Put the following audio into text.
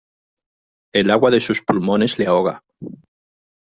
el agua de sus pulmones le ahoga.